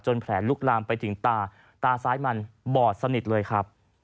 แผลลุกลามไปถึงตาตาซ้ายมันบอดสนิทเลยครับ